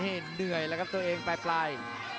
เหนื่อยแหละครับตัวเองปล่าย